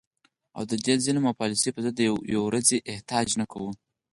او د دې ظلم او پالیسو په ضد د یوې ورځي احتجاج نه کوو